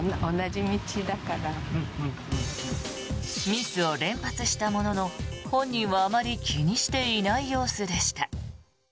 ミスを連発したものの本人はあまり気にしていない様子でした。